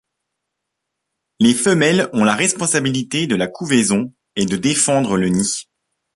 Les femelles ont la responsabilité de la couvaison et de défendre le nid.